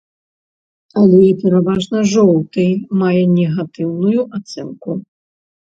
Але пераважна жоўты мае негатыўную ацэнку.